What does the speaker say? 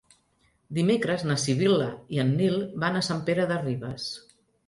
Dimecres na Sibil·la i en Nil van a Sant Pere de Ribes.